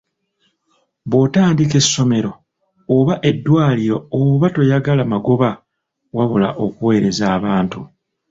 Bw'otandika essomero, oba eddwaliro oba toyagala magoba wabula okuweereza abantu.